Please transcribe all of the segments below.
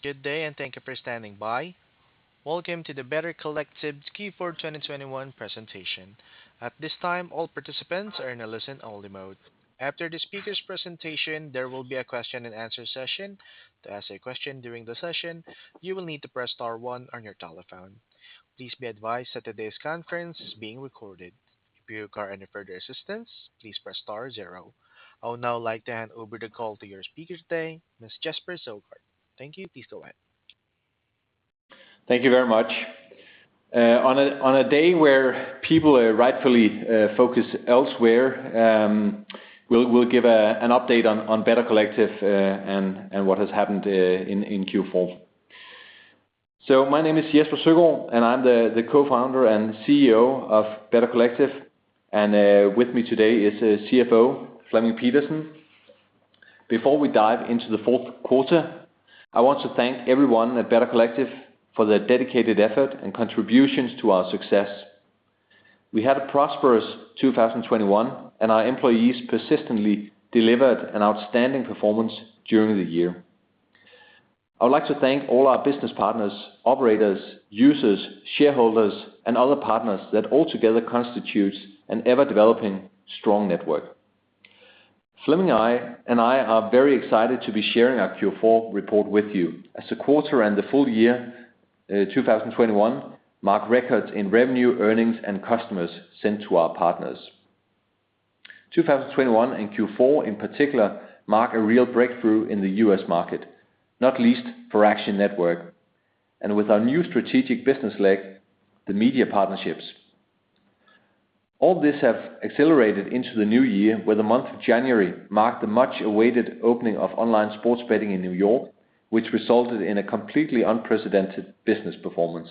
Good day and thank you for standing by. Welcome to the Better Collective Q4 of 2021 presentation. At this time, all participants are in a listen-only mode. After the speaker's presentation, there will be a question and answer session. To ask a question during the session, you will need to press star 1 on your telephone. Please be advised that today's conference is being recorded. If you require any further assistance, please press star zero. I would now like to hand over the call to your speaker today, Mr. Jesper Søgaard. Thank you. Please go ahead. Thank you very much. On a day where people are rightfully focused elsewhere, we'll give an update on Better Collective and what has happened in Q4. My name is Jesper Søgaard, and I'm the Co-Founder and CEO of Better Collective. With me today is CFO Flemming Pedersen. Before we dive into the Q4, I want to thank everyone at Better Collective for their dedicated effort and contributions to our success. We had a prosperous 2021, and our employees persistently delivered an outstanding performance during the year. I would like to thank all our business partners, operators, users, shareholders, and other partners that all together constitute an ever-developing strong network. Flemming and I are very excited to be sharing our Q4 report with you, as the quarter and the full year, 2021, mark records in revenue, earnings, and customers sent to our partners. 2021 and Q4 in particular mark a real breakthrough in the U.S. market, not least for Action Network and with our new strategic business leg, the media partnerships. All this have accelerated into the new year, where the month of January marked the much-awaited opening of online sports betting in New York, which resulted in a completely unprecedented business performance.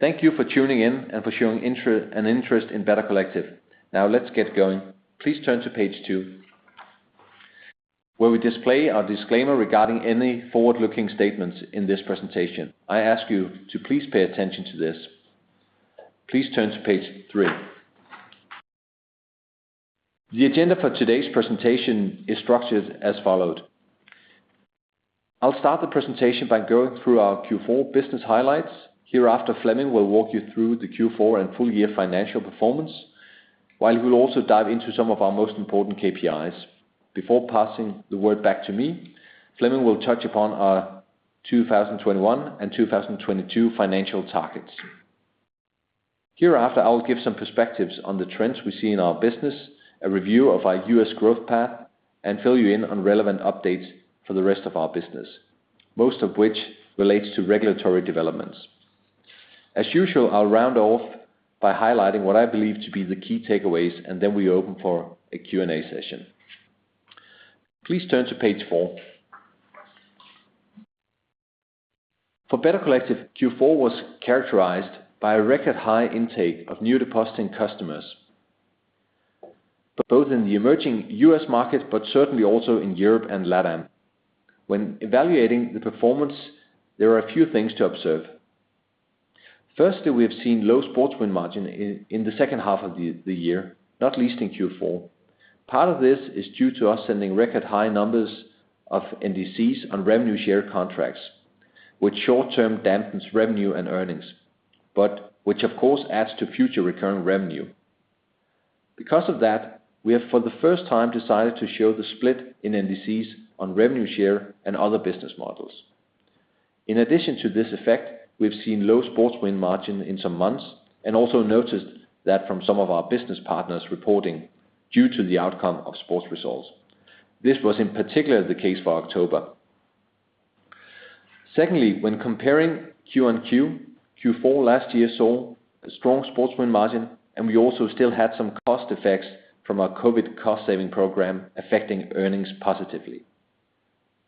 Thank you for tuning in and for showing an interest in Better Collective. Now let's get going. Please turn to page 2, where we display our disclaimer regarding any forward-looking statements in this presentation. I ask you to please pay attention to this. Please turn to page 3. The agenda for today's presentation is structured as follows. I'll start the presentation by going through our Q4 business highlights. Hereafter, Flemming will walk you through the Q4 and full-year financial performance, while he'll also dive into some of our most important KPIs. Before passing the word back to me, Flemming will touch upon our 2021 and 2022 financial targets. Hereafter, I will give some perspectives on the trends we see in our business, a review of our U.S. growth path, and fill you in on relevant updates for the rest of our business, most of which relates to regulatory developments. As usual, I'll round off by highlighting what I believe to be the key takeaways, and then we open for a Q&A session. Please turn to page 4. For Better Collective, Q4 was characterized by a record high intake of new depositing customers, both in the emerging U.S. market, but certainly also in Europe and Latin America. When evaluating the performance, there are a few things to observe. Firstly, we have seen low sports win margin in the H2 of the year, not least in Q4. Part of this is due to us sending record high numbers of NDCs on revenue share contracts, which short-term dampens revenue and earnings, but which of course adds to future recurring revenue. Because of that, we have for the first time decided to show the split in NDCs on revenue share and other business models. In addition to this effect, we've seen low sports win margin in some months and also noticed that from some of our business partners reporting due to the outcome of sports results. This was in particular the case for October. Secondly, when comparing Q-on-Q, Q4 last year saw a strong sports win margin, and we also still had some cost effects from our COVID cost-saving program affecting earnings positively.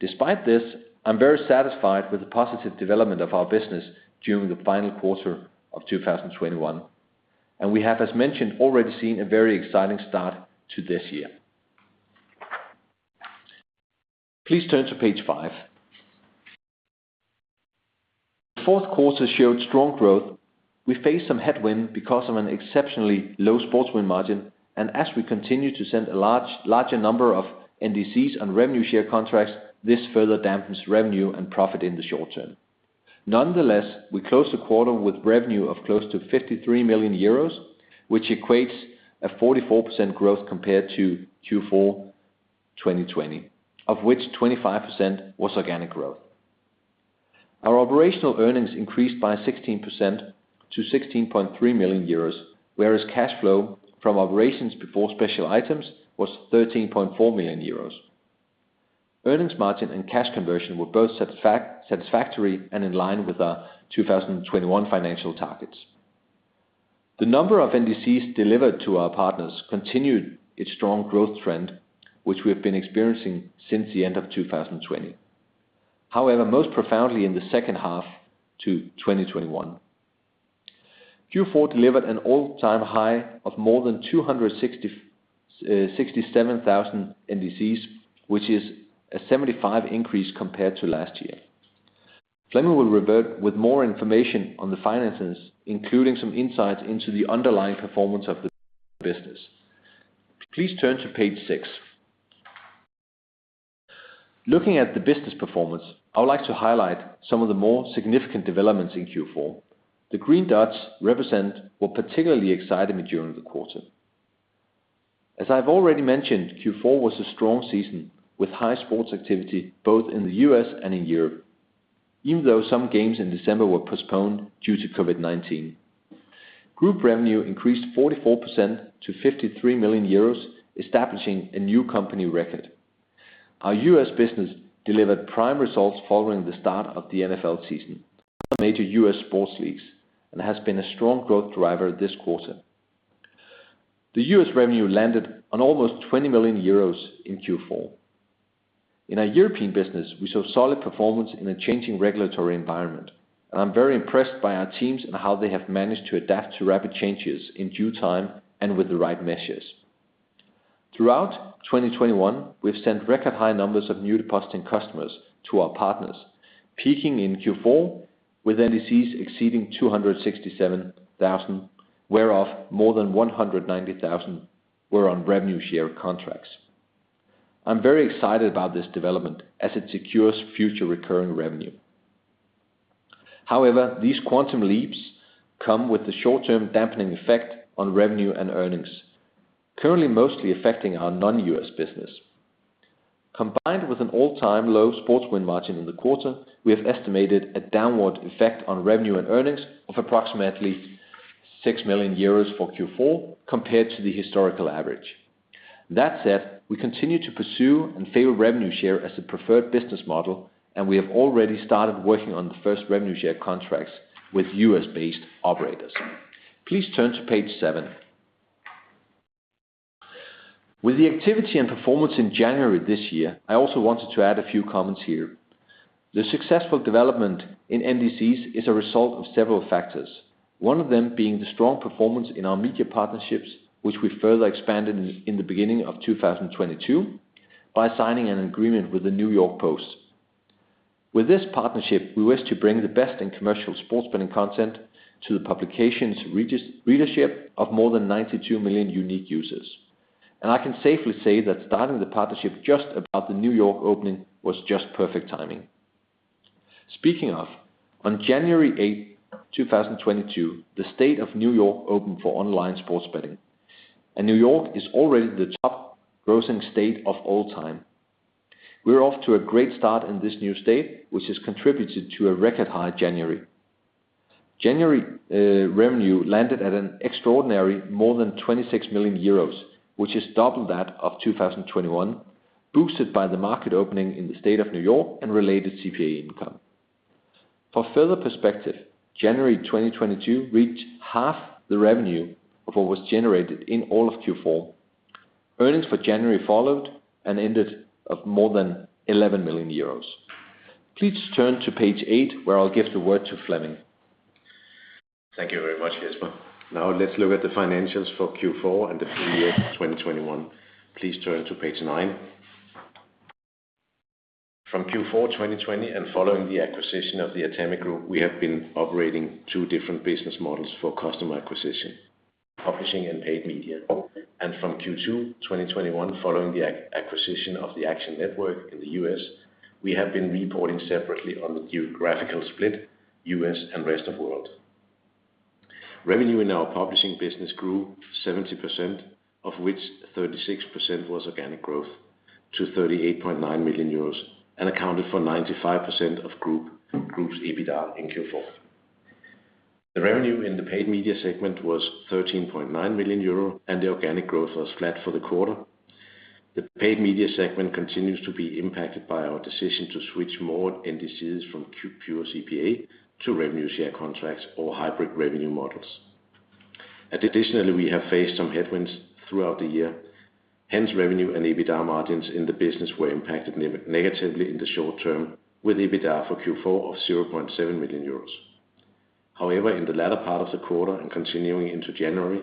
Despite this, I'm very satisfied with the positive development of our business during the final quarter of 2021, and we have, as mentioned, already seen a very exciting start to this year. Please turn to page 5. The Q4 showed strong growth. We faced some headwind because of an exceptionally low sports win margin, and as we continue to send a larger number of NDCs and revenue share contracts, this further dampens revenue and profit in the short term. Nonetheless, we closed the quarter with revenue of close to 53 million euros, which equates to 44% growth compared to Q4 2020, of which 25% was organic growth. Our operational earnings increased by 16% to 16.3 million euros, whereas cash flow from operations before special items was 13.4 million euros. Earnings margin and cash conversion were both satisfactory and in line with our 2021 financial targets. The number of NDCs delivered to our partners continued its strong growth trend, which we have been experiencing since the end of 2020. However, most profoundly in the H2 of 2021. Q4 delivered an all-time high of more than 267,000 NDCs, which is a 75% increase compared to last year. Flemming will revert with more information on the finances, including some insights into the underlying performance of the business. Please turn to page 6. Looking at the business performance, I would like to highlight some of the more significant developments in Q4. The green dots represent what particularly excited me during the quarter. As I've already mentioned, Q4 was a strong season with high sports activity both in the U.S. and in Europe, even though some games in December were postponed due to COVID-19. Group revenue increased 44% to 53 million euros, establishing a new company record. Our U.S. business delivered prime results following the start of the NFL season for major U.S. sports leagues, and has been a strong growth driver this quarter. The U.S. revenue landed on almost 20 million euros in Q4. In our European business, we saw solid performance in a changing regulatory environment, and I'm very impressed by our teams and how they have managed to adapt to rapid changes in due time and with the right measures. Throughout 2021, we've sent record high numbers of new depositing customers to our partners, peaking in Q4 with NDCs exceeding 267,000, whereof more than 190,000 were on revenue share contracts. I'm very excited about this development as it secures future recurring revenue. However, these quantum leaps come with the short-term dampening effect on revenue and earnings, currently mostly affecting our non-U.S. business. Combined with an all-time low sports win margin in the quarter, we have estimated a downward effect on revenue and earnings of approximately 6 million euros for Q4 compared to the historical average. That said, we continue to pursue and favor revenue share as a preferred business model, and we have already started working on the first revenue share contracts with U.S.-based operators. Please turn to page seven. With the activity and performance in January this year, I also wanted to add a few comments here. The successful development in NDCs is a result of several factors, one of them being the strong performance in our media partnerships, which we further expanded in the beginning of 2022 by signing an agreement with the New York Post. With this partnership, we wish to bring the best in commercial sports betting content to the publication's readership of more than 92 million unique users. I can safely say that starting the partnership just about the New York opening was just perfect timing. Speaking of, on January 8, 2022, the state of New York opened for online sports betting, and New York is already the top grossing state of all time. We're off to a great start in this new state, which has contributed to a record high January revenue landed at an extraordinary more than 26 million euros, which is double that of 2021, boosted by the market opening in the state of New York and related CPA income. For further perspective, January 2022 reached half the revenue of what was generated in all of Q4. Earnings for January followed and ended with more than 11 million euros. Please turn to page 8, where I'll give the word to Flemming. Thank you very much, Jesper. Now let's look at the financials for Q4 and the full year 2021. Please turn to page 9. From Q4 2020 and following the acquisition of the Atemi Group, we have been operating 2 different business models for customer acquisition, publishing and paid media. From Q2 2021, following the acquisition of the Action Network in the U.S., we have been reporting separately on the geographical split, U.S. and rest of world. Revenue in our publishing business grew 70%, of which 36% was organic growth to 38.9 million euros and accounted for 95% of group's EBITDA in Q4. The revenue in the paid media segment was EUR 13.9 million, and the organic growth was flat for the quarter. The paid media segment continues to be impacted by our decision to switch more NDCs from pure CPA to revenue share contracts or hybrid revenue models. Additionally, we have faced some headwinds throughout the year. Hence, revenue and EBITDA margins in the business were impacted negatively in the short term with EBITDA for Q4 of 0.7 million euros. However, in the latter part of the quarter and continuing into January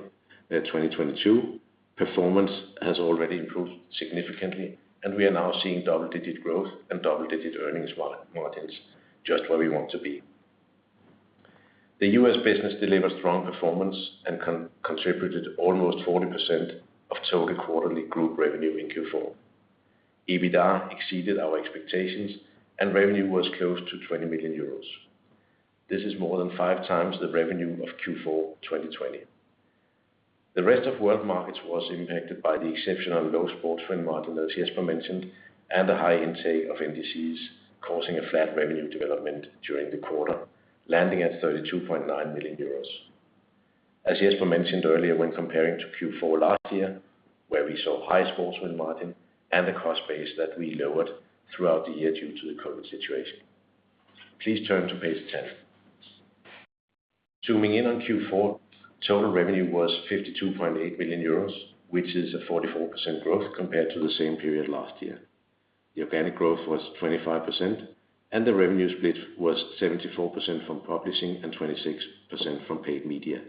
2022, performance has already improved significantly, and we are now seeing double-digit growth and double-digit earnings margins, just where we want to be. The U.S. business delivered strong performance and contributed almost 40% of total quarterly group revenue in Q4. EBITDA exceeded our expectations, and revenue was close to 20 million euros. This is more than five times the revenue of Q4 of 2020. The rest of world markets was impacted by the exceptional low sports win margin, as Jesper Søgaard mentioned, and a high intake of NDCs causing a flat revenue development during the quarter, landing at 32.9 million euros. As Jesper Søgaard mentioned earlier, when comparing to Q4 last year, where we saw high sports win margin and the cost base that we lowered throughout the year due to the COVID situation. Please turn to page 10. Zooming in on Q4, total revenue was 52.8 million euros, which is a 44% growth compared to the same period last year. The organic growth was 25%, and the revenue split was 74% from publishing and 26% from paid media.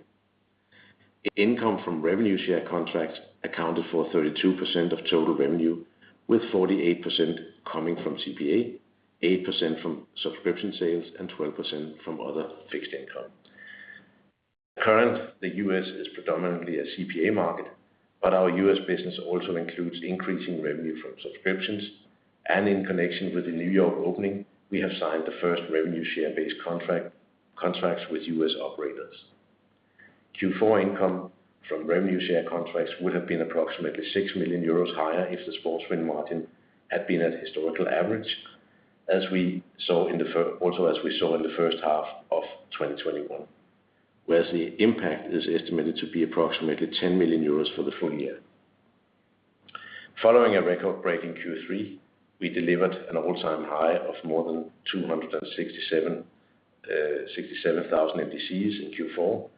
Income from revenue share contracts accounted for 32% of total revenue, with 48% coming from CPA, 8% from subscription sales, and 12% from other fixed income. Currently, the U.S. is predominantly a CPA market, but our U.S. business also includes increasing revenue from subscriptions, and in connection with the New York opening, we have signed the first revenue share-based contracts with U.S. operators. Q4 income from revenue share contracts would have been approximately 6 million euros higher if the sports win margin had been at historical average, as we saw in the H1 of 2021, whereas the impact is estimated to be approximately 10 million euros for the full year. Following a record-breaking Q3, we delivered an all-time high of more than 267,000 NDCs in Q4,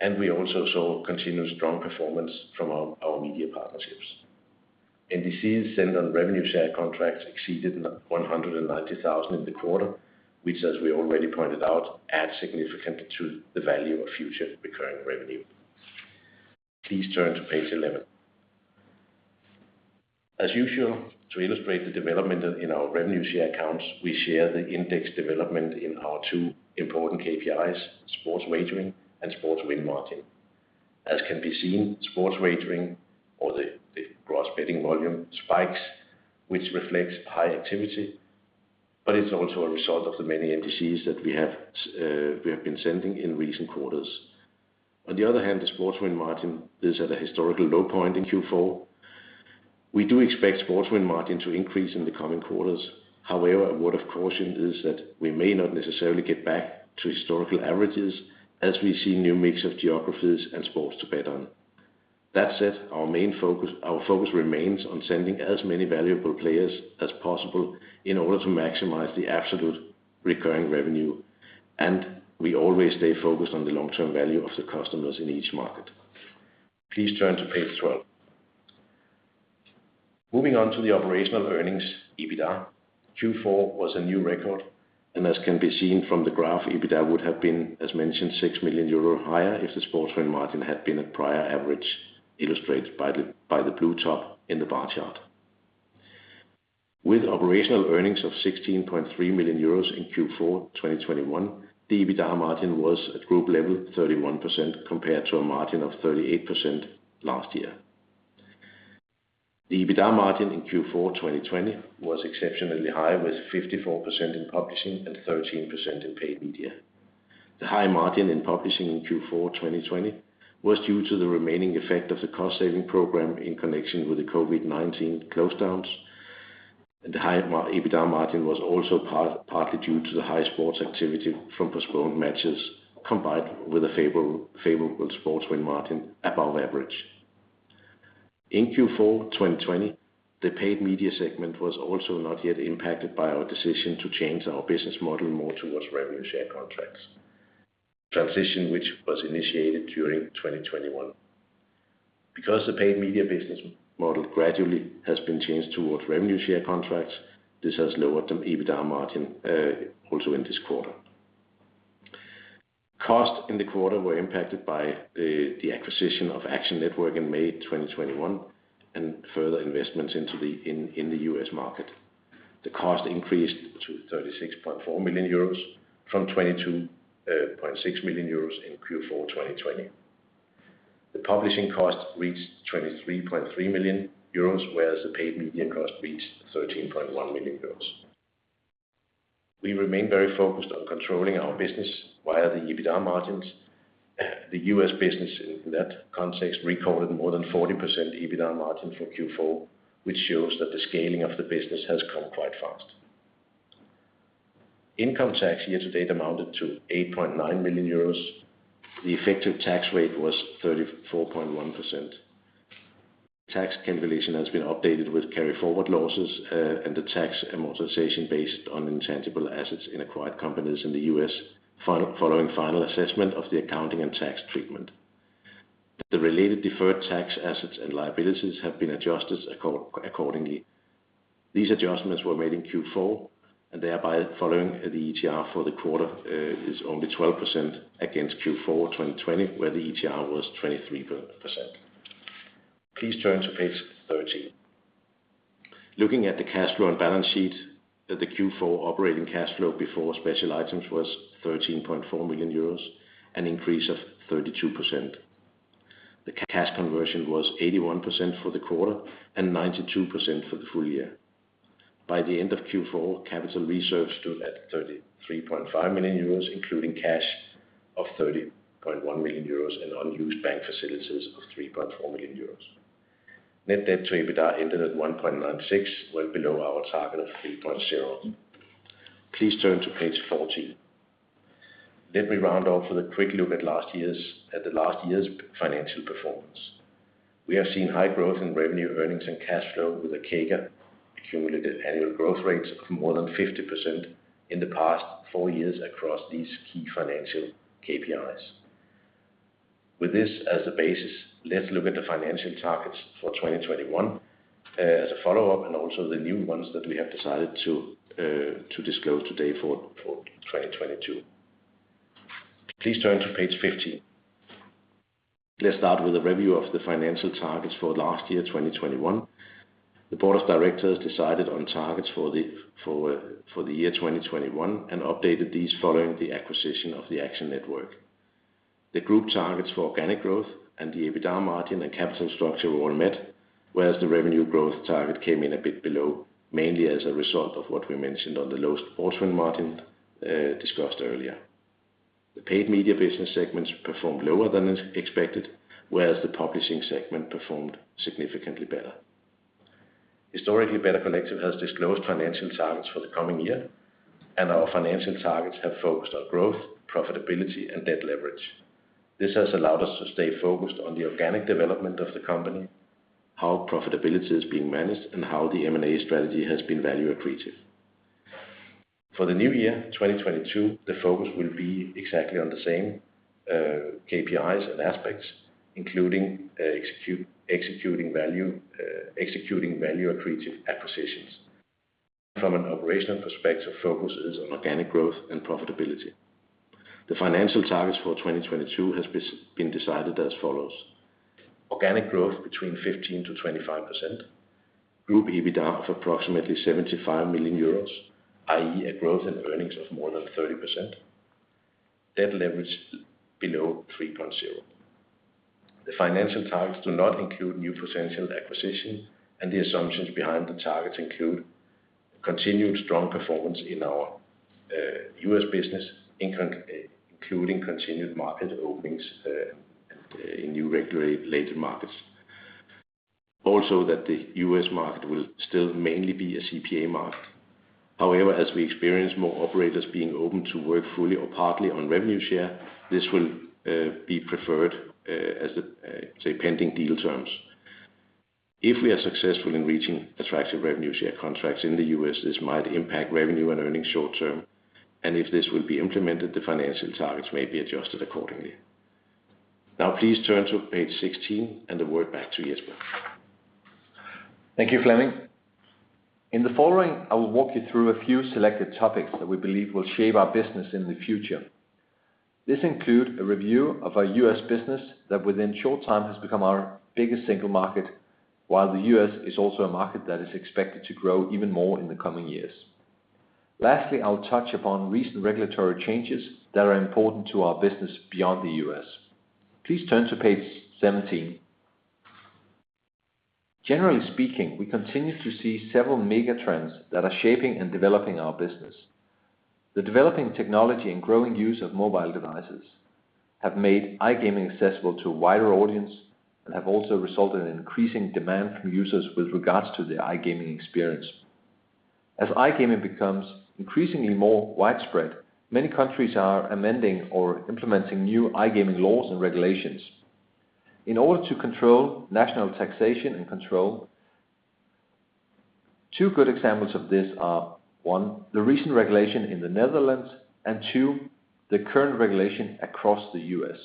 and we also saw continued strong performance from our media partnerships. NDCs sent on revenue share contracts exceeded 190,000 in the quarter, which, as we already pointed out, adds significantly to the value of future recurring revenue. Please turn to page 11. As usual, to illustrate the development in our revenue share accounts, we share the index development in our 2 important KPIs, sports wagering and sports win margin. As can be seen, sports wagering, or the gross betting volume, spikes, which reflects high activity, but it's also a result of the many NDCs that we have been sending in recent quarters. On the other hand, the sports win margin is at a historical low point in Q4. We do expect sports win margin to increase in the coming quarters. However, a word of caution is that we may not necessarily get back to historical averages as we see new mix of geographies and sports to bet on. That said, our main focus remains on sending as many valuable players as possible in order to maximize the absolute recurring revenue, and we always stay focused on the long-term value of the customers in each market. Please turn to page 12. Moving on to the operational earnings, EBITDA. Q4 was a new record, and as can be seen from the graph, EBITDA would have been, as mentioned, 6 million euro higher if the sports win margin had been at prior average, illustrated by the blue top in the bar chart. With operational earnings of 16.3 million euros in Q4 2021, the EBITDA margin was at group level 31% compared to a margin of 38% last year. The EBITDA margin in Q4 of 2020 was exceptionally high, with 54% in publishing and 13% in paid media. The high margin in publishing in Q4 2020 was due to the remaining effect of the cost-saving program in connection with the COVID-19 lockdowns. The high EBITDA margin was also partly due to the high sports activity from postponed matches, combined with a favorable sports win margin above average. In Q4 2020, the paid media segment was also not yet impacted by our decision to change our business model more towards revenue share contracts, transition which was initiated during 2021. Because the paid media business model gradually has been changed towards revenue share contracts, this has lowered the EBITDA margin, also in this quarter. Costs in the quarter were impacted by the acquisition of Action Network in May 2021 and further investments into the U.S. market. The cost increased to 36.4 million euros from 22.6 million euros in Q4 of 2020. The publishing cost reached 23.3 million euros, whereas the paid media cost reached 13.1 million euros. We remain very focused on controlling our business via the EBITDA margins. The U.S. business, in that context, recorded more than 40% EBITDA margin for Q4, which shows that the scaling of the business has come quite fast. Income tax year-to-date amounted to 8.9 million euros. The effective tax rate was 34.1%. Tax calculation has been updated with carry-forward losses, and the tax amortization based on intangible assets in acquired companies in the U.S. following final assessment of the accounting and tax treatment. The related deferred tax assets and liabilities have been adjusted accordingly. These adjustments were made in Q4, and thereby following the ETR for the quarter is only 12% against Q4 of 2020, where the ETR was 23%. Please turn to page 13. Looking at the cash flow and balance sheet, the Q4 operating cash flow before special items was 13.4 million euros, an increase of 32%. The cash conversion was 81% for the quarter and 92% for the full year. By the end of Q4, capital reserves stood at 33.5 million euros, including cash of 30.1 million euros and unused bank facilities of 3.4 million euros. Net debt to EBITDA ended at 1.96, well below our target of 3.0. Please turn to page 14. Let me round off with a quick look at the last year's financial performance. We have seen high growth in revenue, earnings, and cash flow with a CAGR, cumulative annual growth rates, of more than 50% in the past 4 years across these key financial KPIs. With this as a basis, let's look at the financial targets for 2021. As a follow-up and also the new ones that we have decided to disclose today for 2022. Please turn to page 15. Let's start with a review of the financial targets for last year, 2021. The board of directors decided on targets for the year 2021 and updated these following the acquisition of the Action Network. The group targets for organic growth and the EBITDA margin and capital structure were all met, whereas the revenue growth target came in a bit below, mainly as a result of what we mentioned on the lowest margin discussed earlier. The paid media business segments performed lower than expected, whereas the publishing segment performed significantly better. Historically, Better Collective has disclosed financial targets for the coming year, and our financial targets have focused on growth, profitability, and debt leverage. This has allowed us to stay focused on the organic development of the company, how profitability is being managed, and how the M&A strategy has been value accretive. For the new year, 2022, the focus will be exactly on the same KPIs and aspects, including executing value-accretive acquisitions. From an operational perspective, focus is on organic growth and profitability. The financial targets for 2022 has been decided as follows: organic growth between 15% to 25%, group EBITDA of approximately 75 million euros, i.e., a growth in earnings of more than 30%, debt leverage below 3.0. The financial targets do not include new potential acquisitions, and the assumptions behind the targets include continued strong performance in our U.S. business, including continued market openings in new regulated markets. Also, that the U.S. market will still mainly be a CPA market. However, as we experience more operators being open to work fully or partly on revenue share, this will be preferred as these pending deal terms. If we are successful in reaching attractive revenue share contracts in the U.S., this might impact revenue and earnings short-term, and if this will be implemented, the financial targets may be adjusted accordingly. Now please turn to page 16, and the word back to Jesper. Thank you, Flemming. In the following, I will walk you through a few selected topics that we believe will shape our business in the future. This include a review of our U.S. business that within short time has become our biggest single market, while the U.S. is also a market that is expected to grow even more in the coming years. Lastly, I'll touch upon recent regulatory changes that are important to our business beyond the U.S. Please turn to page 17. Generally speaking, we continue to see several mega trends that are shaping and developing our business. The developing technology and growing use of mobile devices have made iGaming accessible to a wider audience and have also resulted in increasing demand from users with regards to their iGaming experience. As iGaming becomes increasingly more widespread, many countries are amending or implementing new iGaming laws and regulations. In order to control national taxation and control, 2 good examples of this are, 1, the recent regulation in the Netherlands, and 2, the current regulation across the U.S.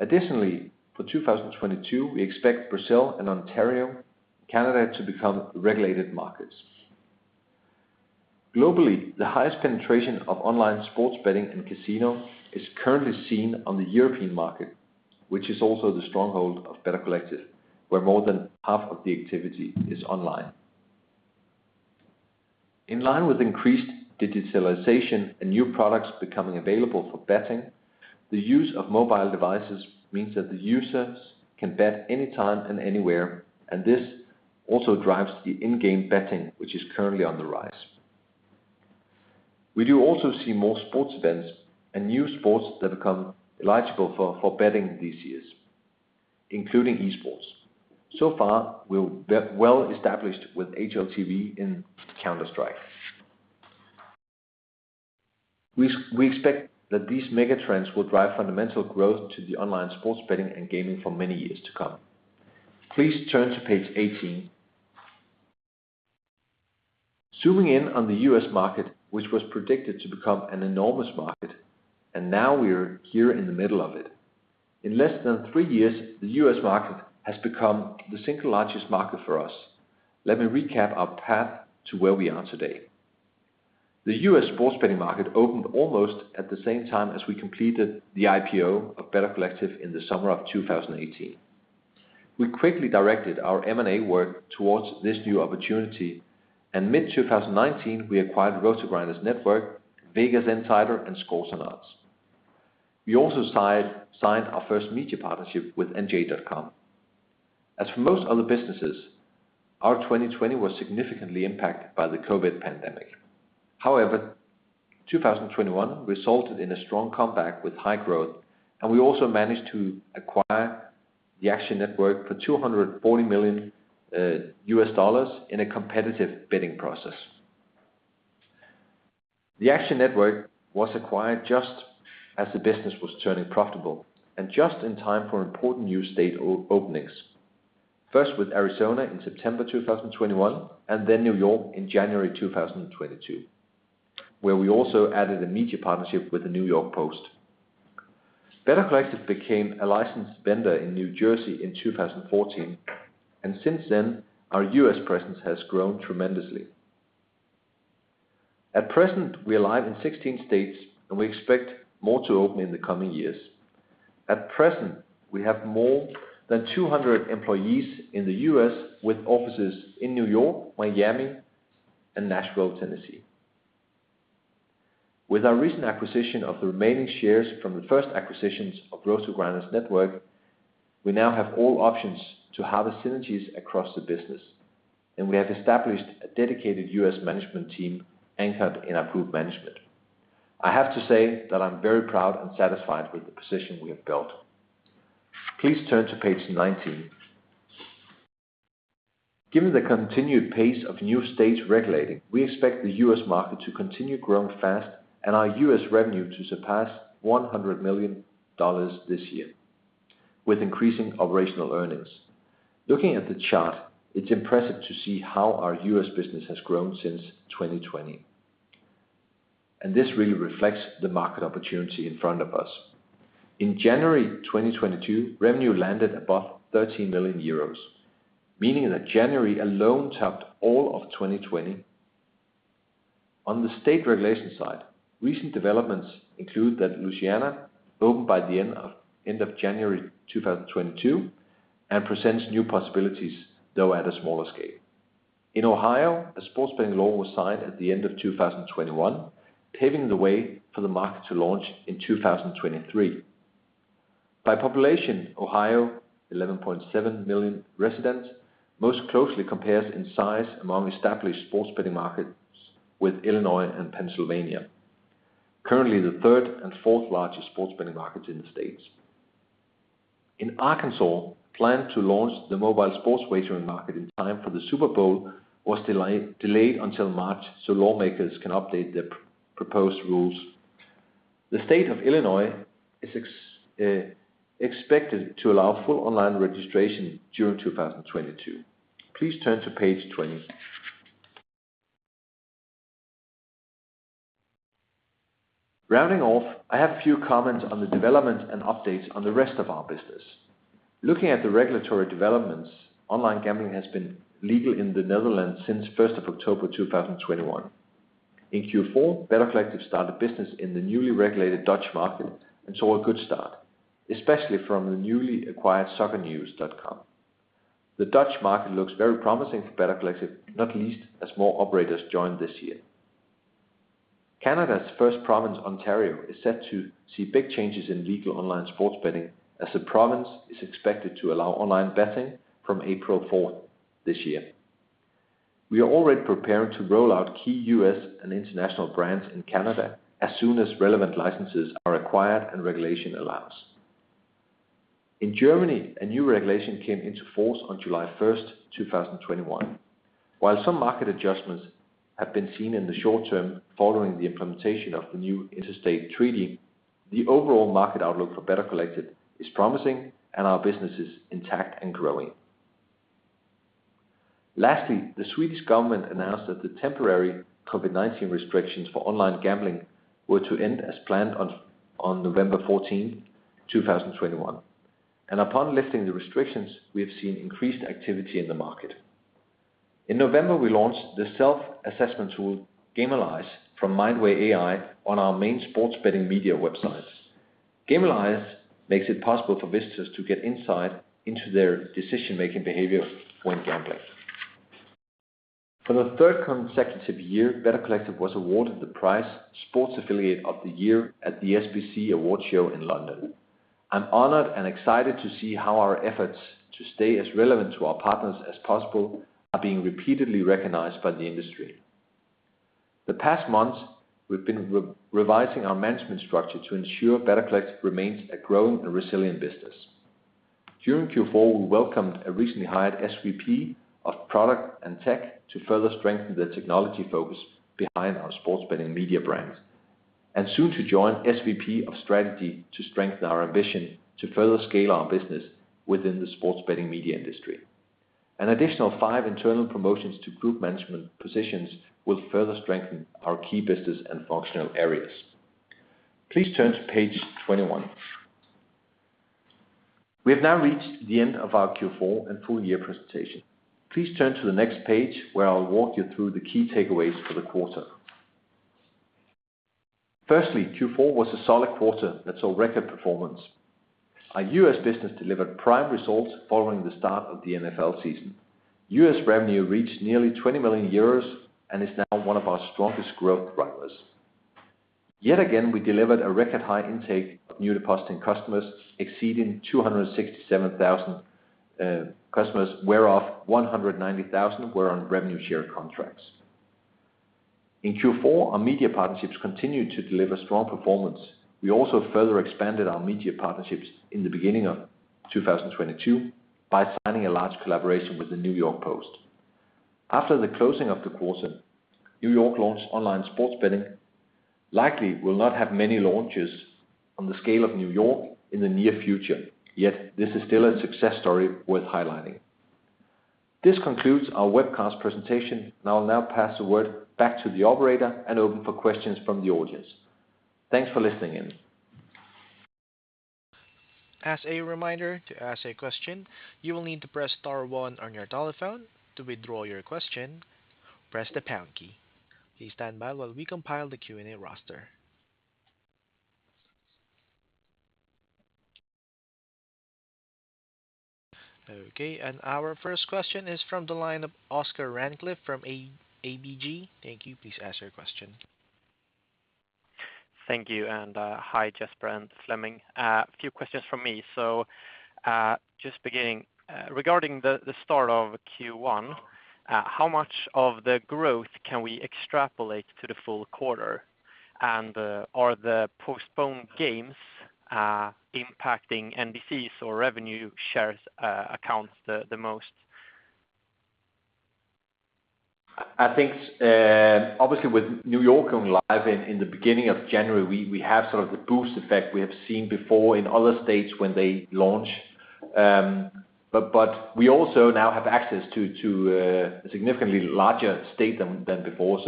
Additionally, for 2022, we expect Brazil and Ontario, Canada to become regulated markets. Globally, the highest penetration of online sports betting and casino is currently seen on the European market, which is also the stronghold of Better Collective, where more than half of the activity is online. In line with increased digitalization and new products becoming available for betting, the use of mobile devices means that the users can bet anytime and anywhere, and this also drives the in-game betting, which is currently on the rise. We do also see more sports events and new sports that become eligible for betting these years, including esports. So far, we're well established with HLTV in Counter-Strike. We expect that these mega trends will drive fundamental growth to the online sports betting and gaming for many years to come. Please turn to page 18. Zooming in on the U.S. market, which was predicted to become an enormous market, and now we're here in the middle of it. In less than 3 years, the U.S. market has become the single largest market for us. Let me recap our path to where we are today. The U.S. sports betting market opened almost at the same time as we completed the IPO of Better Collective in the summer of 2018. We quickly directed our M&A work towards this new opportunity, and mid-2019, we acquired RotoGrinders Network, VegasInsider, and ScoresAndOdds. We also signed our first media partnership with nj.com. As for most other businesses, our 2020 was significantly impacted by the COVID pandemic. However, 2021 resulted in a strong comeback with high growth, and we also managed to acquire the Action Network for $240 million U.S. dollars in a competitive bidding process. The Action Network was acquired just as the business was turning profitable and just in time for important new state openings. First with Arizona in September 2021, and then New York in January 2022, where we also added a media partnership with the New York Post. Better Collective became a licensed vendor in New Jersey in 2014, and since then our U.S. presence has grown tremendously. At present, we are live in 16 states and we expect more to open in the coming years. At present, we have more than 200 employees in the U.S. with offices in New York, Miami, and Nashville, Tennessee. With our recent acquisition of the remaining shares from the first acquisitions of RotoGrinders Network, we now have all options to have the synergies across the business, and we have established a dedicated U.S. management team anchored in our group management. I have to say that I'm very proud and satisfied with the position we have built. Please turn to page 19. Given the continued pace of new states regulating, we expect the U.S. market to continue growing fast and our U.S. revenue to surpass $100 million this year with increasing operational earnings. Looking at the chart, it's impressive to see how our U.S. business has grown since 2020, and this really reflects the market opportunity in front of us. In January 2022, revenue landed above 13 million euros, meaning that January alone topped all of 2020. On the state regulation side, recent developments include that Louisiana opened by the end of January 2022 and presents new possibilities, though at a smaller scale. In Ohio, a sports betting law was signed at the end of 2021, paving the way for the market to launch in 2023. By population, Ohio, 11.7 million residents, most closely compares in size among established sports betting markets with Illinois and Pennsylvania, currently the 3rd and 4th-largest sports betting markets in the States. In Arkansas, plan to launch the mobile sports wagering market in time for the Super Bowl was delayed until March so lawmakers can update the proposed rules. The state of Illinois is expected to allow full online registration during 2022. Please turn to page 20. Rounding off, I have a few comments on the development and updates on the rest of our business. Looking at the regulatory developments, online gambling has been legal in the Netherlands since October 1st, 2021. In Q4, Better Collective started business in the newly regulated Dutch market and saw a good start, especially from the newly acquired soccernews.nl. The Dutch market looks very promising for Better Collective, not least as more operators join this year. Canada's first province, Ontario, is set to see big changes in legal online sports betting as the province is expected to allow online betting from April 4 this year. We are already preparing to roll out key US and international brands in Canada as soon as relevant licenses are acquired and regulation allows. In Germany, a new regulation came into force on July 1st, 2021. While some market adjustments have been seen in the short term following the implementation of the new interstate treaty, the overall market outlook for Better Collective is promising and our business is intact and growing. Lastly, the Swedish government announced that the temporary COVID-19 restrictions for online gambling were to end as planned on November 14th, 2021. Upon lifting the restrictions, we have seen increased activity in the market. In November, we launched the self-assessment tool, Gamalyze from Mindway AI, on our main sports betting media websites. Gamalyze makes it possible for visitors to get insight into their decision-making behavior when gambling. For the 3rd consecutive year, Better Collective was awarded the prize Sports Affiliate of the Year at the SBC Awards show in London. I'm honored and excited to see how our efforts to stay as relevant to our partners as possible are being repeatedly recognized by the industry. The past months, we've been revising our management structure to ensure Better Collective remains a growing and resilient business. During Q4, we welcomed a recently hired SVP of product and tech to further strengthen the technology focus behind our sports betting media brands, and soon to join SVP of strategy to strengthen our ambition to further scale our business within the sports betting media industry. An additional five internal promotions to group management positions will further strengthen our key business and functional areas. Please turn to page 21. We have now reached the end of our Q4 and full-year presentation. Please turn to the next page, where I'll walk you through the key takeaways for the quarter. Q4 was a solid quarter that saw record performance. Our U.S. business delivered prime results following the start of the NFL season. U.S. revenue reached nearly 20 million euros and is now one of our strongest growth drivers. Yet again, we delivered a record high intake of new depositing customers exceeding 267,000 customers, whereof 190,000 were on revenue share contracts. In Q4, our media partnerships continued to deliver strong performance. We also further expanded our media partnerships in the beginning of 2022 by signing a large collaboration with the New York Post. After the closing of the quarter, New York launched online sports betting. We likely will not have many launches on the scale of New York in the near future. Yet this is still a success story worth highlighting. This concludes our webcast presentation, and I'll now pass the word back to the operator and open for questions from the audience. Thanks for listening in. Our first question is from the line of Oscar Rönnkvist from ABG. Thank you. Please ask your question. Thank you. Hi, Jesper Søgaard and Flemming Pedersen. A few questions from me. Just beginning, regarding the start of Q1, how much of the growth can we extrapolate to the full quarter? Are the postponed games impacting NDCs' or revenue shares accounts the most? I think, obviously, with New York going live in the beginning of January, we have sort of the boost effect we have seen before in other states when they launch. We also now have access to a significantly larger state than before.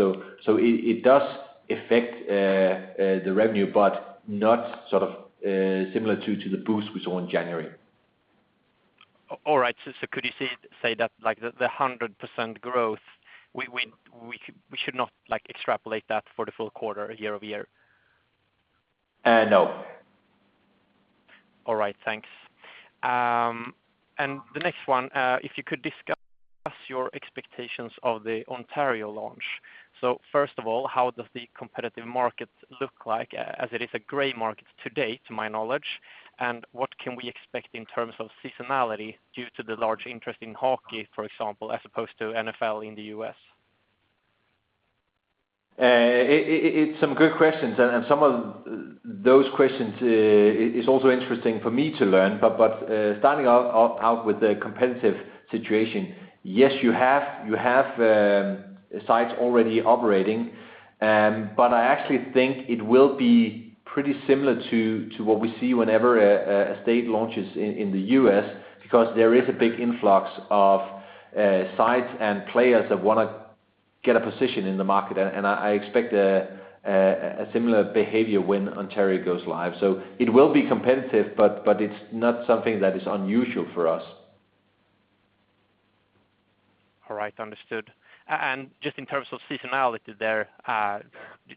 It does affect the revenue, but not sort of similar to the boost we saw in January. All right. Could you say that, like, the 100% growth, we should not, like, extrapolate that for the full quarter year-over-year? No. All right. Thanks. The next one, if you could discuss your expectations of the Ontario launch. First of all, how does the competitive market look like as it is a gray market to date, to my knowledge? What can we expect in terms of seasonality due to the large interest in hockey, for example, as opposed to NFL in the US? It's some good questions. Some of those questions is also interesting for me to learn. Starting out with the competitive situation. Yes, you have sites already operating. I actually think it will be pretty similar to what we see whenever a state launches in the U.S. because there is a big influx of sites and players that wanna get a position in the market. I expect a similar behavior when Ontario goes live. It will be competitive, but it's not something that is unusual for us. All right. Understood. Just in terms of seasonality there,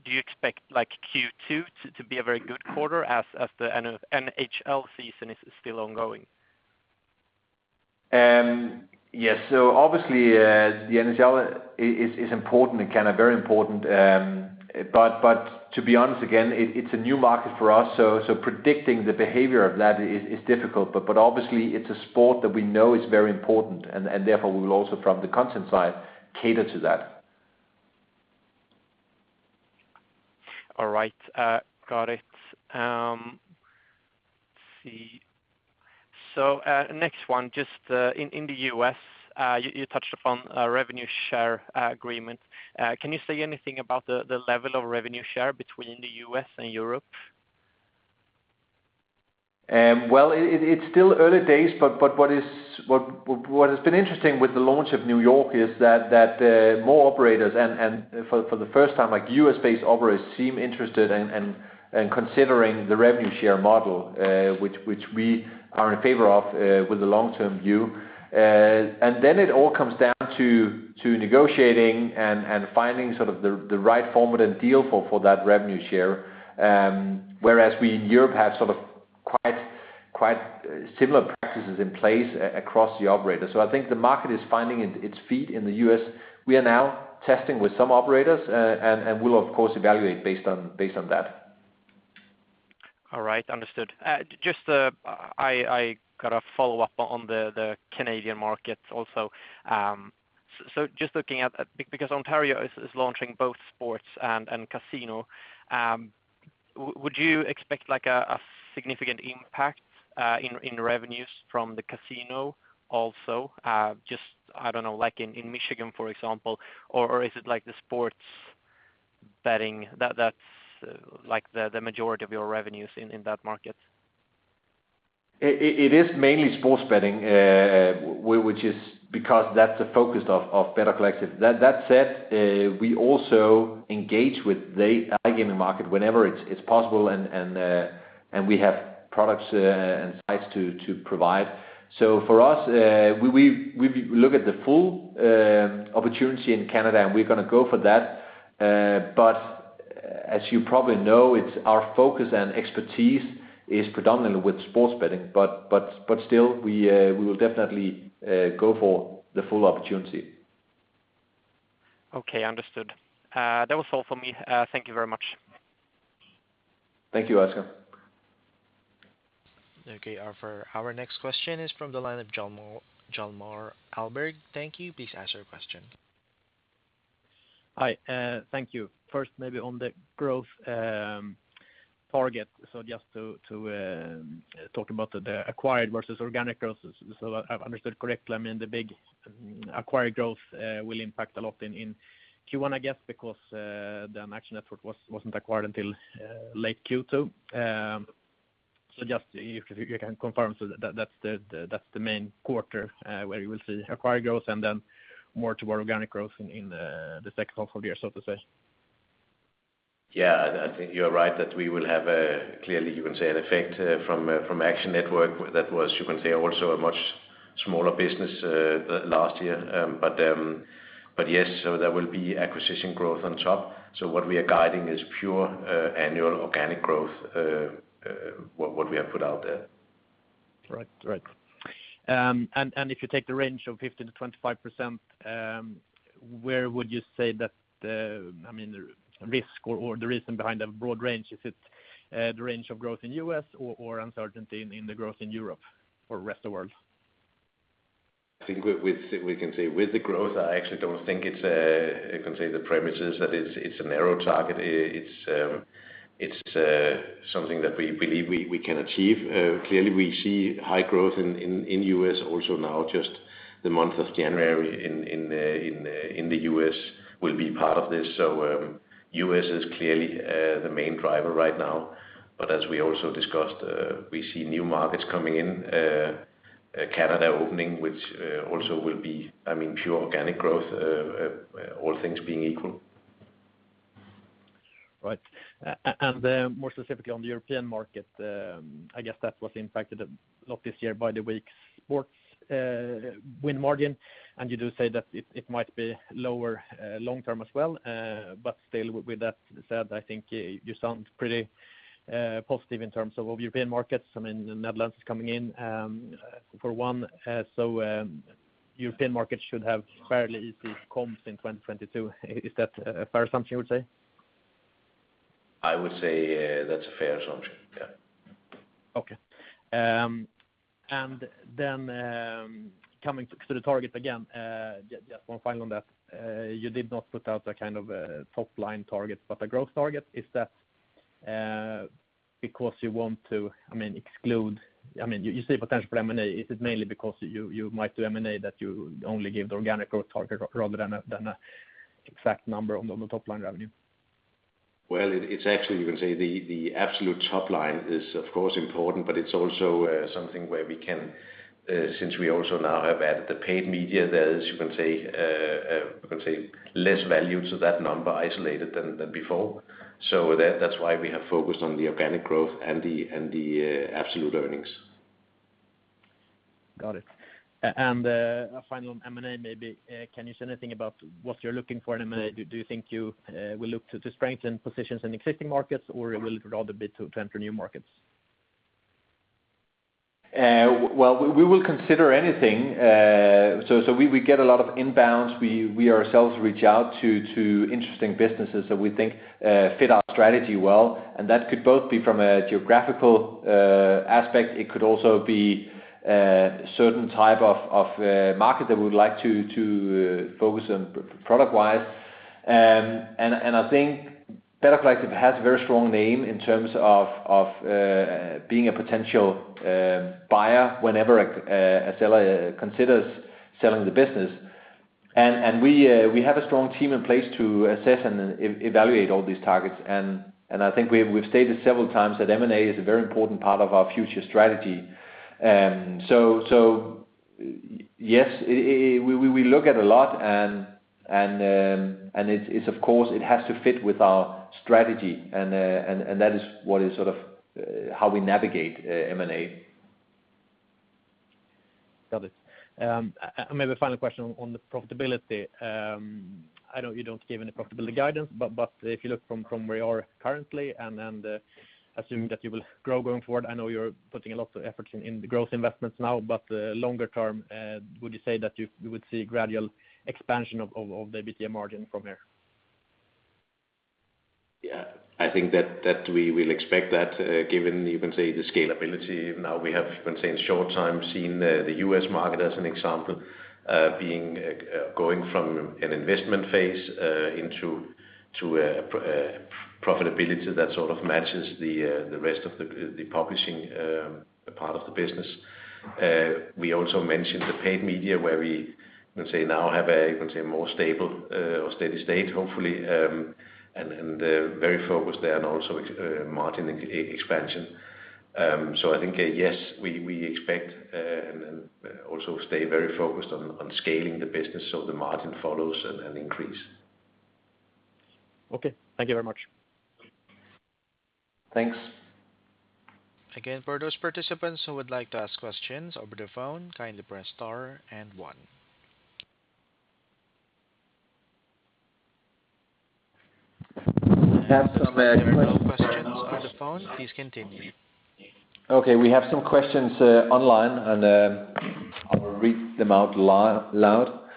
do you expect, like, Q2 to be a very good quarter as the NHL season is still ongoing? Yes. Obviously, the NHL is important in Canada, very important. To be honest, again, it's a new market for us, so predicting the behavior of that is difficult. Obviously it's a sport that we know is very important and therefore we will also from the content side cater to that. All right. Got it. Let's see. Next one, just in the U.S., you touched upon a revenue share agreement. Can you say anything about the level of revenue share between the U.S. and Europe? Well, it's still early days, but what has been interesting with the launch of New York is that more operators and, for the first time, like U.S.-based operators seem interested and considering the revenue share model, which we are in favor of with the long-term view. Then it all comes down to negotiating and finding sort of the right form of the deal for that revenue share. Whereas we in Europe have sort of quite similar practices in place across the operators. I think the market is finding its feet in the U.S. We are now testing with some operators, and we'll of course evaluate based on that. All right. Understood. Just, I got a follow-up on the Canadian market also. Because Ontario is launching both sports and casino, would you expect like a significant impact in revenues from the casino also? Just, I don't know, like in Michigan, for example. Is it like the sports betting that's like the majority of your revenues in that market? It is mainly sports betting, which is because that's the focus of Better Collective. That said, we also engage with the iGaming market whenever it's possible and we have products and sites to provide. For us, we look at the full opportunity in Canada, and we're gonna go for that. As you probably know, it's our focus and expertise is predominantly with sports betting. Still, we will definitely go for the full opportunity. Okay. Understood. That was all for me. Thank you very much. Thank you, Oscar. Okay. Next question is from the line of Jonas Mørk Alberg. Thank you. Please ask your question. Hi, thank you. 1st, maybe on the growth target. Just to talk about the acquired versus organic growth. If I've understood correctly, I mean, the big acquired growth will impact a lot in Q1, I guess, because the Action Network wasn't acquired until late Q2. Just if you can confirm so that that's the main quarter where you will see acquired growth and then more toward organic growth in the H2 of the year, so to say. Yeah, I think you are right that we will have a clearly, you can say an effect from Action Network that was, you can say also a much smaller business last year. Yes, there will be acquisition growth on top. What we are guiding is pure annual organic growth what we have put out there. Right. If you take the range of 15% to 25%, where would you say that the, I mean, the risk or the reason behind the broad range, is it the range of growth in U.S. or uncertainty in the growth in Europe or rest of world? I think we can say with the growth. I actually don't think it's the premise that it's a narrow target. It's something that we believe we can achieve. Clearly we see high growth in the U.S. also now just the month of January in the U.S. will be part of this. The U.S. is clearly the main driver right now. As we also discussed, we see new markets coming in, Canada opening, which also will be, I mean, pure organic growth, all things being equal. Right. More specifically on the European market, I guess that was impacted a lot this year by the weak sports win margin. You do say that it might be lower long term as well. Still with that said, I think you sound pretty positive in terms of European markets. I mean, the Netherlands is coming in for one, so European markets should have fairly easy comps in 2022. Is that a fair assumption you would say? I would say, that's a fair assumption, yeah. Coming to the target again, just one final on that, you did not put out a kind of a top line target, but a growth target. Is that because you want to, I mean, exclude. I mean, you see potential for M&A. Is it mainly because you might do M&A that you only give the organic growth target rather than a exact number on the top line revenue? Well, it's actually, you can say the absolute top line is of course important, but it's also something where we can, since we also now have added the paid media, there is, you can say, less value to that number isolated than before. That's why we have focused on the organic growth and the absolute earnings. Got it. A final on M&A maybe. Can you say anything about what you're looking for in M&A? Do you think you will look to strengthen positions in existing markets, or will it rather be to enter new markets? Well, we will consider anything. We get a lot of inbounds. We ourselves reach out to interesting businesses that we think fit our strategy well, and that could both be from a geographical aspect. It could also be certain type of market that we would like to focus on product wise. I think Better Collective has a very strong name in terms of being a potential buyer whenever a seller considers selling the business. We have a strong team in place to assess and evaluate all these targets. I think we've stated several times that M&A is a very important part of our future strategy. Yes, we look at a lot and it's of course it has to fit with our strategy and that is what is sort of how we navigate M&A. Got it. And maybe a final question on the profitability. I know you don't give any profitability guidance, but if you look from where you are currently and assuming that you will grow going forward, I know you're putting a lot of efforts in the growth investments now, but longer term, would you say that you would see gradual expansion of the EBITDA margin from here? Yeah, I think that we will expect that, given you can see the scalability now we have in a short time seen the U.S. market as an example, going from an investment phase into profitability that sort of matches the rest of the publishing part of the business. We also mentioned the paid media where we let's say now have a more stable or steady state hopefully, and very focused there and also margin expansion. I think, yes, we expect and then also stay very focused on scaling the business so the margin follows and increase. Okay. Thank you very much. Thanks. Again, for those participants who would like to ask questions over the phone, kindly press star and one. I have some questions. There are no questions over the phone. Please continue. Okay. We have some questions online and I will read them out loud.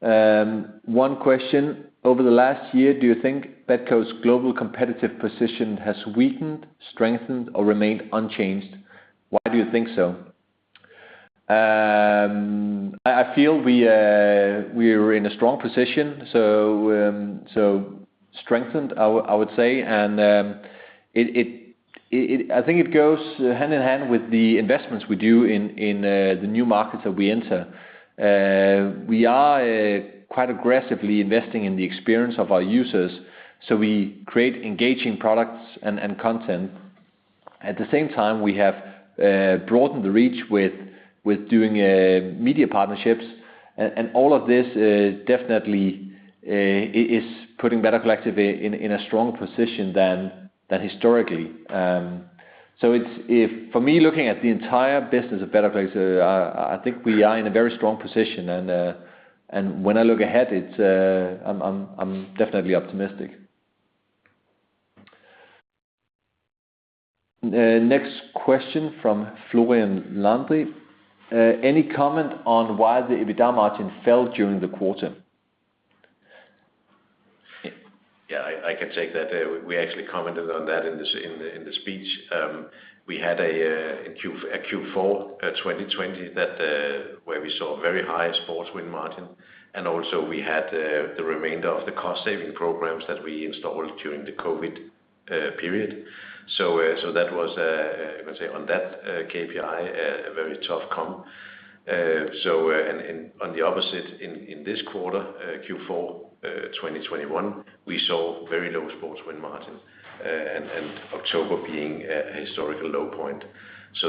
One question, over the last year, do you think Betco's global competitive position has weakened, strengthened, or remained unchanged? Why do you think so? I feel we are in a strong position, so strengthened, I would say. I think it goes hand in hand with the investments we do in the new markets that we enter. We are quite aggressively investing in the experience of our users, so we create engaging products and content. At the same time, we have broadened the reach with doing media partnerships. All of this is definitely putting Better Collective in a strong position than historically. For me, looking at the entire business of Better Collective, I think we are in a very strong position and when I look ahead, I'm definitely optimistic. The next question from Florian Leandri. Any comment on why the EBITDA margin fell during the quarter? Yeah, I can take that. We actually commented on that in the speech. We had a in Q4 2020 that where we saw very high sports win margin, and also we had the remainder of the cost-saving programs that we installed during the COVID period. That was you can say on that KPI a very tough comp. And on the opposite, in this quarter, Q4 of 2021, we saw very low sports win margins and October being a historical low point.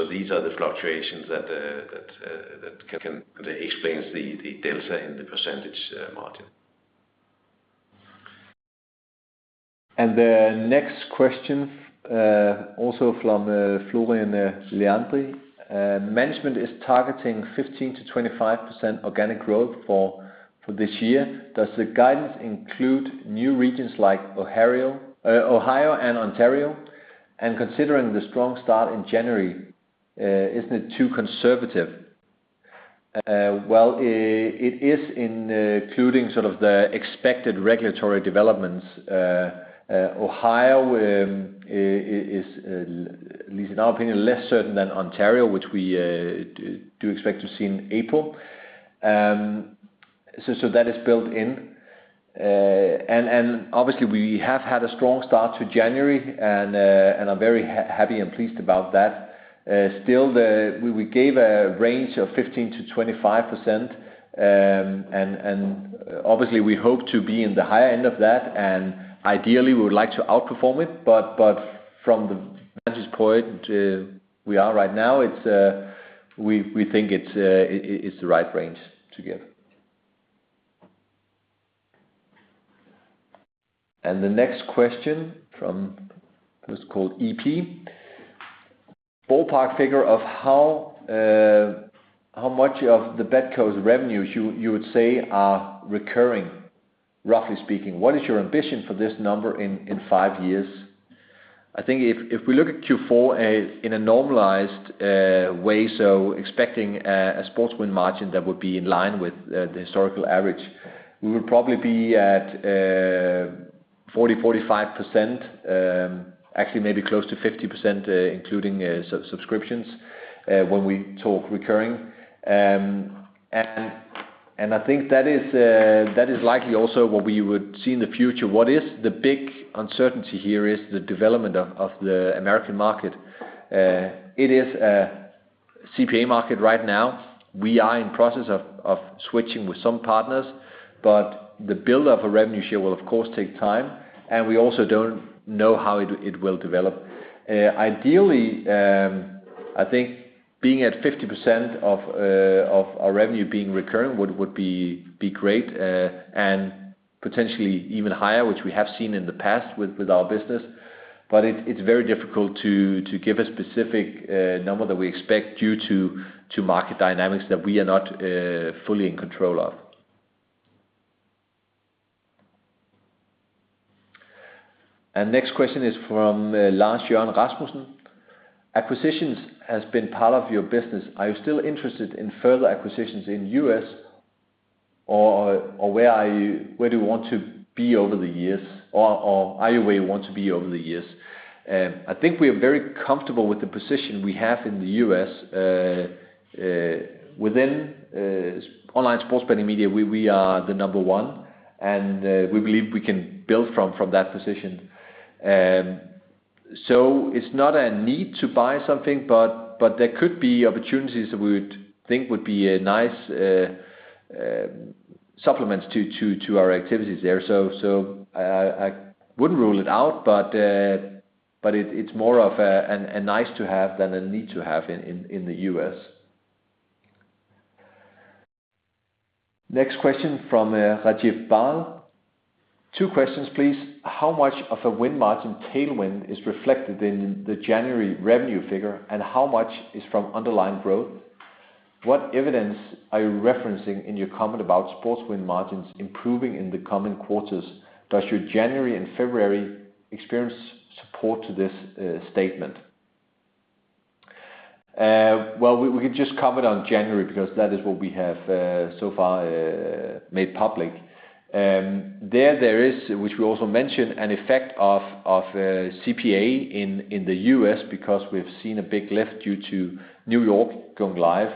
These are the fluctuations that explains the delta in the percentage margin. The next question also from Florian Leandri. Management is targeting 15%-25% organic growth for this year. Does the guidance include new regions like Ohio and Ontario? Considering the strong start in January, isn't it too conservative? Well, it is including sort of the expected regulatory developments. Ohio is, at least in our opinion, less certain than Ontario, which we do expect to see in April. That is built in. Obviously we have had a strong start to January and are very happy and pleased about that. We gave a range of 15%-25%, and obviously we hope to be in the higher end of that, and ideally we would like to outperform it. From the vantage point we are right now, we think it's the right range to give. The next question from EP. Ballpark figure of how much of the Betco's revenues you would say are recurring, roughly speaking. What is your ambition for this number in five years? I think if we look at Q4 in a normalized way, so expecting a sports win margin that would be in line with the historical average, we would probably be at 40% to 45%, actually maybe close to 50%, including subscriptions when we talk recurring. I think that is likely also what we would see in the future. What is the big uncertainty here is the development of the American market. It is a CPA market right now. We are in process of switching with some partners, but the build-up of revenue share will of course take time, and we also don't know how it will develop. Ideally, I think being at 50% of our revenue being recurring would be great, and potentially even higher, which we have seen in the past with our business. It's very difficult to give a specific number that we expect due to market dynamics that we are not fully in control of. Next question is from Lars Jørgen Rasmussen. Acquisitions has been part of your business. Are you still interested in further acquisitions in U.S. or where do you want to be over the years? Or are you where you want to be over the years? I think we are very comfortable with the position we have in the U.S. Within online sports betting media, we are the number one, and we believe we can build from that position. It's not a need to buy something, but there could be opportunities that we would think would be a nice supplements to our activities there. I wouldn't rule it out, but it's more of a nice to have than a need to have in the U.S. Next question from Rajiv Bahl. Two questions, please. How much of a win margin tailwind is reflected in the January revenue figure, and how much is from underlying growth? What evidence are you referencing in your comment about sports win margins improving in the coming quarters? Does your January and February experience support this statement? Well, we can just comment on January because that is what we have so far made public. There is, which we also mentioned, an effect of CPA in the U.S. because we've seen a big lift due to New York going live.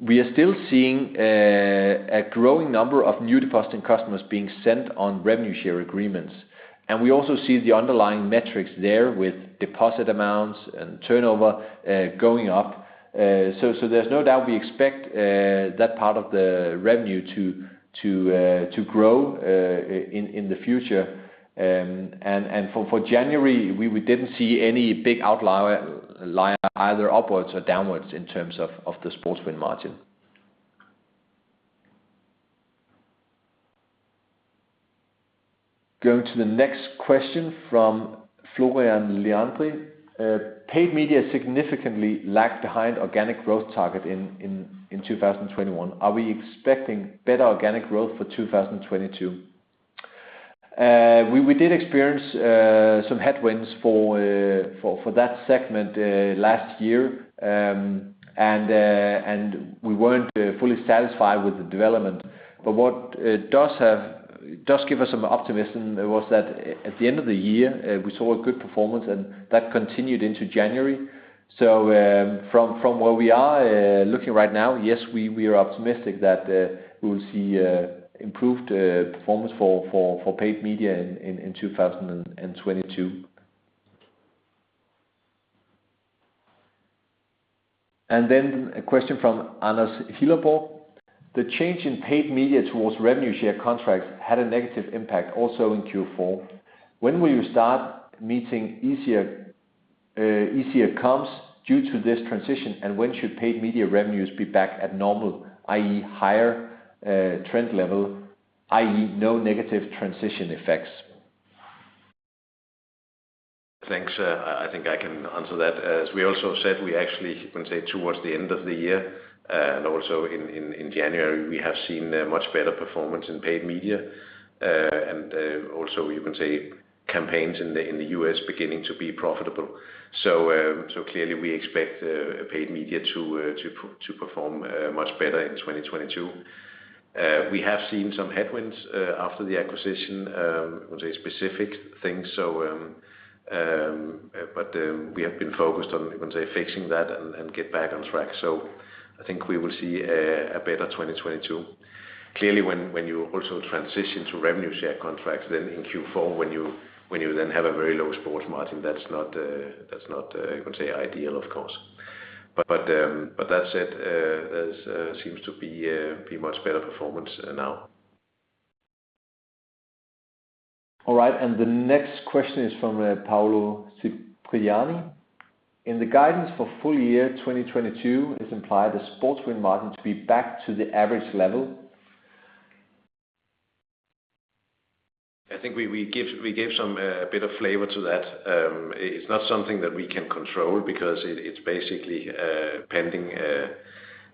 We are still seeing a growing number of new depositing customers being sent on revenue share agreements. We also see the underlying metrics there with deposit amounts and turnover going up. There's no doubt we expect that part of the revenue to grow in the future. For January, we didn't see any big outlier either upwards or downwards in terms of the sports win margin. Going to the next question from Florian Leandri. Paid media significantly lagged behind organic growth target in 2021. Are we expecting better organic growth for 2022? We did experience some headwinds for that segment last year. We weren't fully satisfied with the development. What does give us some optimism is that at the end of the year, we saw a good performance, and that continued into January. From where we are looking right now, yes, we are optimistic that we will see improved performance for paid media in 2022. A question from Anders Hillerborg. The change in paid media towards revenue share contracts had a negative impact also in Q4. When will you start meeting easier comps due to this transition? And when should paid media revenues be back at normal, i.e., higher trend level, i.e., no negative transition effects? Thanks. I think I can answer that. As we also said, we actually, you can say, towards the end of the year and also in January, we have seen a much better performance in paid media. Also you can say campaigns in the U.S. beginning to be profitable. Clearly we expect paid media to perform much better in 2022. We have seen some headwinds after the acquisition with a specific thing, so, but we have been focused on, you can say, fixing that and get back on track. I think we will see a better 2022. Clearly, when you also transition to revenue share contracts, then in Q4 when you then have a very low sports margin, that's not you can say ideal, of course. That said, there seems to be much better performance now. All right, the next question is from Paolo Cipriani. In the guidance for full year 2022, it's implied the sports win margin to be back to the average level. I think we gave some a bit of flavor to that. It's not something that we can control because it's basically pending,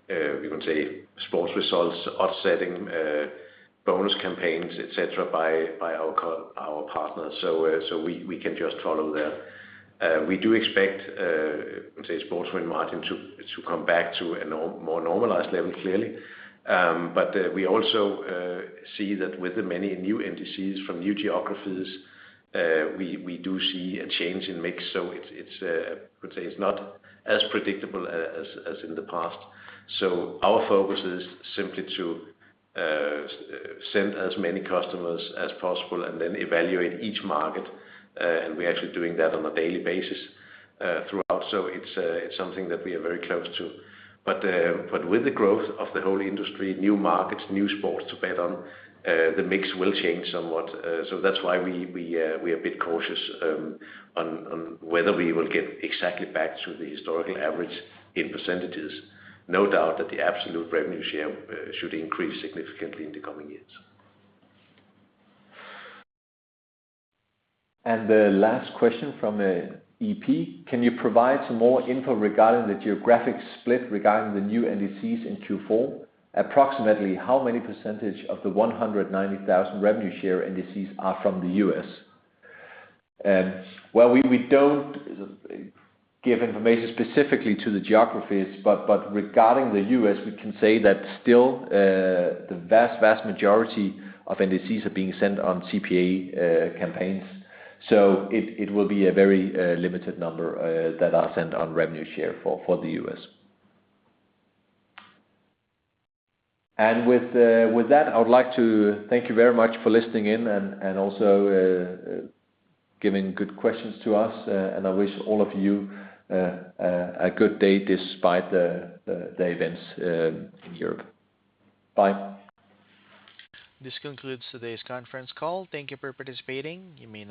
you can say, sports results offsetting bonus campaigns, et cetera, by our partners. We can just follow that. We do expect say sports win margin to come back to a more normalized level, clearly. We also see that with the many new NDCs from new geographies, we do see a change in mix. It's, you could say, it's not as predictable as in the past. Our focus is simply to send as many customers as possible and then evaluate each market. We're actually doing that on a daily basis throughout. It's something that we are very close to. With the growth of the whole industry, new markets, new sports to bet on, the mix will change somewhat. That's why we are a bit cautious on whether we will get exactly back to the historical average in percentages. No doubt that the absolute revenue share should increase significantly in the coming years. The last question from EP: Can you provide some more info regarding the geographic split regarding the new NDCs in Q4? Approximately what percentage of the 190,000 revenue share NDCs are from the U.S.? Well, we don't give information specifically to the geographies, but regarding the U.S., we can say that still the vast majority of NDCs are being sent on CPA campaigns. So it will be a very limited number that are sent on revenue share for the U.S. With that, I would like to thank you very much for listening in and also giving good questions to us. I wish all of you a good day despite the events in Europe. Bye. This concludes today's conference call. Thank you for participating. You may now disconnect.